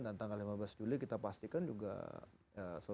dan tanggal lima belas juli kita pastikan juga selesai semua